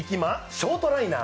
ショートライナー。